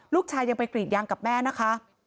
ลูกชายยังไปกรีดยางกับแม่นะคะ